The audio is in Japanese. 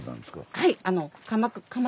はい。